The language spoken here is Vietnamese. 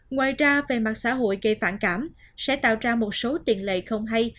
ngoài ra về mặt xã hội gây phản cảm sẽ tạo ra một số tiền lệ không hay